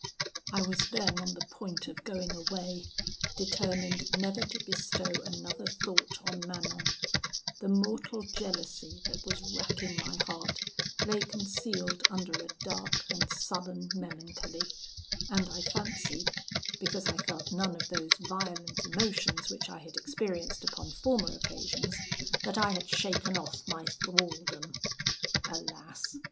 "I was then on the point of going away, determined never to bestow another thought on Manon: the mortal jealousy that was racking my heart lay concealed under a dark and sullen melancholy, and I fancied, because I felt none of those violent emotions which I had experienced upon former occasions, that I had shaken off my thraldom. Alas!